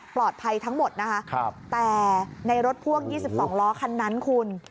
ทั้งหมดนะคะแต่ในรถพ่วง๒๒ล้อคันนั้นคุณ